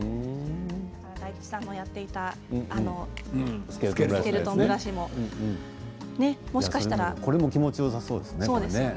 大吉さんもやっていたスケルトンブラシもこれも気持ちよさそうですね。